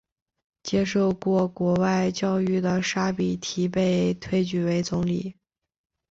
接受过国外教育的沙比提被推举为总理。